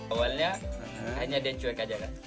awalnya hanya dia cuek saja kan